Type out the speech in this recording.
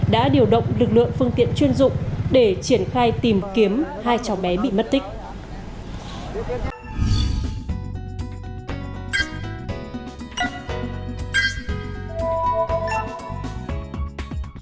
đã điều động lực lượng phương tiện chuyên dụng để triển khai tìm kiếm hai cháu bé bị mất tích